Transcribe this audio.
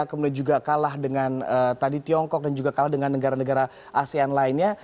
kemudian juga kalah dengan tadi tiongkok dan juga kalah dengan negara negara asean lainnya